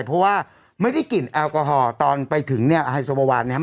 เพราะว่าไม่ได้กลิ่นแอลกอฮอล์ตอนไปถึงเนี่ยไฮโซบาวานนะครับ